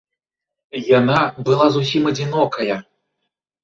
Яна была зусім адзінокая.